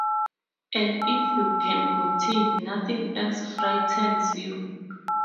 And if you can continue, nothing else frightens you.